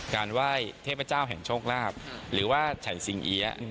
ไหว้เทพเจ้าแห่งโชคลาภหรือว่าฉันสิงเอี๊ยะ